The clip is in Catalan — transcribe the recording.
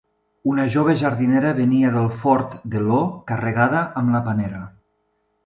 Una jove jardinera venia del Fort de Lo, carregada amb la panera.